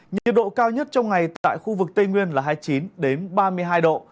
nhiệt độ cao nhất trong ngày tại khu vực tây nguyên là hai mươi chín ba mươi hai độ